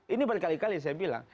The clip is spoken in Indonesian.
ini berkali kali saya bilang